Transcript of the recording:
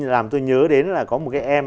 làm tôi nhớ đến là có một cái em